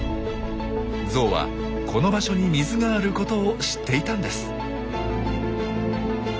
ゾウはこの場所に水があることを知っていたんです。